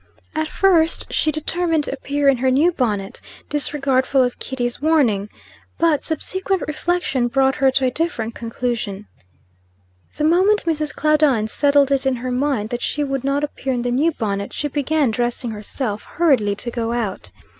At first, she determined to appear in her new bonnet, disregardful of Kitty's warning. But subsequent reflection brought her to a different conclusion. The moment Mrs. Claudine settled it in her mind that she would not appear in the new bonnet, she began dressing herself, hurriedly, to go out.